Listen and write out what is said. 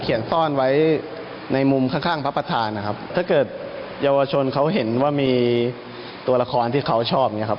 ซ่อนไว้ในมุมข้างข้างพระประธานนะครับถ้าเกิดเยาวชนเขาเห็นว่ามีตัวละครที่เขาชอบอย่างเงี้ครับ